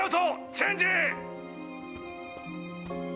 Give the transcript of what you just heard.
チェンジ！